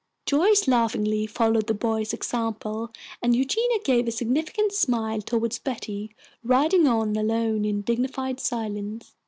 Joyce laughingly followed the boys' example, and Eugenia gave a significant smile toward Betty, riding on alone in dignified silence.